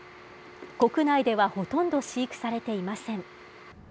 国内ではほとんど飼育されていません。